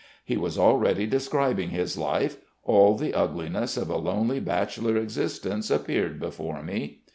"He was already describing his life: all the ugliness of a lonely bachelor existence appeared before me.